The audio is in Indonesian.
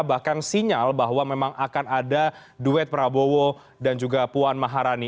bahkan sinyal bahwa memang akan ada duet prabowo dan juga puan maharani